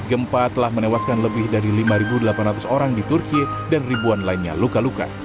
gempa telah menewaskan lebih dari lima delapan ratus orang di turki dan ribuan lainnya luka luka